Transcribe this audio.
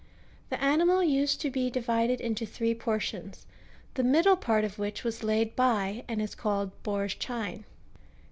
^^ The animal used to be divided into three portions, the middle part of which was laid by,*^ and is called boar's chine.